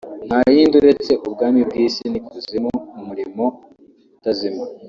nta yindi uretse ubwami bw’isi n’ikuzimu mu murimo utazima